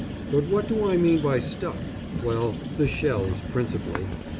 What do I mean by stuff? Well, the shells, principally.